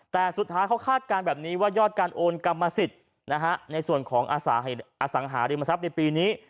แต่สุดท้ายเขาคาดการณ์แบบนี้ว่ายอดการโอนกรรมสิทธิ์ในส่วนของอสังหาริมทรัพย์ในปีนี้